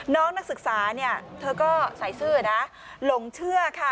น้องนักศึกษาเธอก็ใส่ซื่อลงเชื่อค่ะ